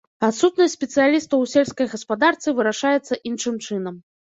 Адсутнасць спецыялістаў у сельскай гаспадарцы вырашаецца іншым чынам.